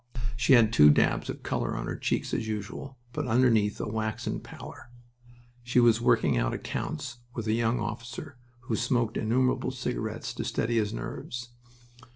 She had two dabs of color on her cheeks, as usual, but underneath a waxen pallor. She was working out accounts with a young officer, who smoked innumerable cigarettes to steady his nerves.